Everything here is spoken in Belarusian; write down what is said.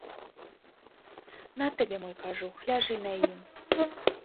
На табе мой кажух, ляжы на ім.